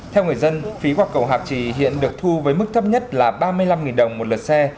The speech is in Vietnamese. theo người dân phí qua cầu hạc trì hiện được thu với mức thấp nhất là ba mươi năm đồng một lượt xe